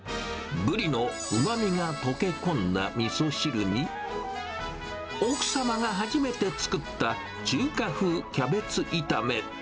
ブリのうまみが溶け込んだみそ汁に、奥様が初めて作った中華風キャベツ炒め。